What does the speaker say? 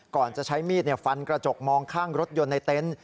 ก่อนจะใช้มีดฟันกระจกมองข้างรถยนต์ในเต็นต์